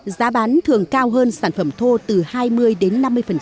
giá bán thường cao hơn sản phẩm thô từ hai mươi đến năm mươi